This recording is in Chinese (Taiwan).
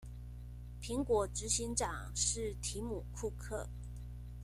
蘋果執行長是提姆庫克